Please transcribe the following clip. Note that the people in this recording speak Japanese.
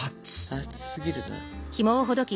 熱すぎるな。